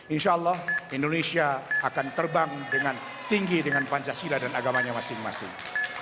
insya allah indonesia akan terbang dengan tinggi dengan pancasila dan agamanya masing masing